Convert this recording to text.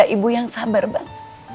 ibu yang sabar bang